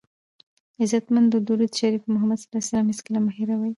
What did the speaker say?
عزتمندو درود شریف په محمد ص هېڅکله مه هیروئ!